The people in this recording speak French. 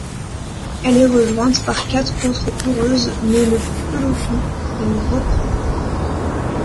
Elle est rejointe par quatre autres coureuses, mais le peloton les reprend.